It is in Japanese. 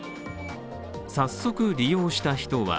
早速、利用した人は